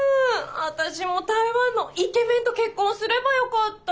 私も台湾のイケメンと結婚すればよかった。